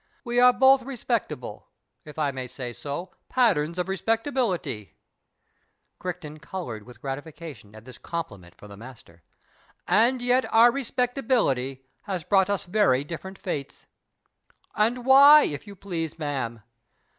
We are both respectable, if 1 may say so, patterns of respectability " (Criehton coloured with gratification at this compliment from the Master), " and yet our respectability has brought us very 65 PASTICHE AND PREJUDICE different fates. And wliy, if you please, ma'am